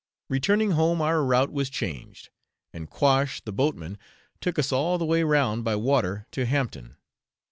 Returning home our route was changed, and Quash the boatman took us all the way round by water to Hampton.